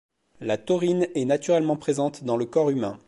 La taurine est naturellement présente dans le corps humain.